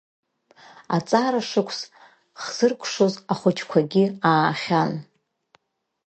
Аҵара шықәс хзыркәшоз ахәыҷқәагьы аахьан.